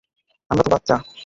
আমরা তো বাচ্চা।